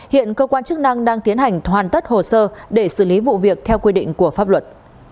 hiện cơ quan chức năng đang tiến hành hoàn tất hồ sơ để xử lý vụ việc theo quy định của pháp luật